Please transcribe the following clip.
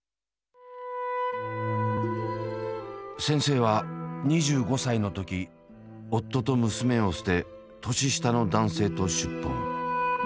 先生は２５歳の時夫と娘を捨て年下の男性と出奔。